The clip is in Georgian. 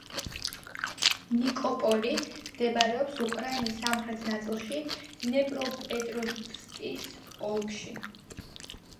ნიკოპოლი მდებარეობს უკრაინის სამხრეთ ნაწილში, დნეპროპეტროვსკის ოლქში.